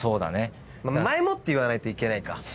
前もって言わないといけないか。